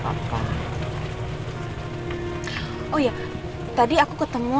hai hai oh ya tadi aku ketemu